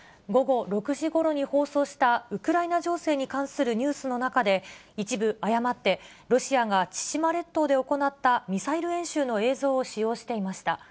午後６時ごろに放送したウクライナ情勢に関するニュースの中で、一部誤って、ロシアが千島列島で行ったミサイル演習の映像を使用していました。